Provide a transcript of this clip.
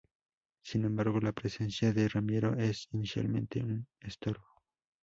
Sin embargo, la presencia de Ramiro es inicialmente un estorbo.